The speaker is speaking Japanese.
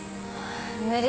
無理。